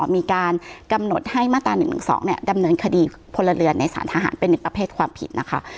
มีการกำหนดให้มาตรา๑๑๒ดำเนินคดีพลเรือนในสารทหารเป็น๑ประเภทความผิดนะคะ